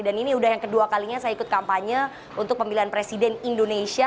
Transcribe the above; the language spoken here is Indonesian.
dan ini udah yang kedua kalinya saya ikut kampanye untuk pemilihan presiden indonesia